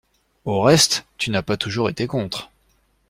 Au reste, tu n'as pas toujours été contre!